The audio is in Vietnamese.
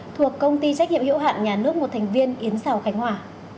thuộc công ty trách nhiệm hiệu hạn nhà nước một thành viên yến xào khánh hòa